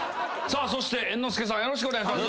そして猿之助さんよろしくお願いします。